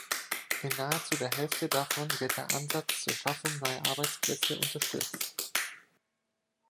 In nahezu der Hälfte davon wird der Ansatz zur Schaffung neuer Arbeitsplätze unterstützt.